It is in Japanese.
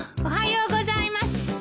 おはようございます。